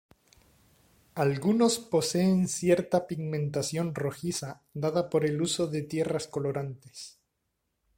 Algunos poseen cierta pigmentación rojiza dada por el uso de tierras colorantes.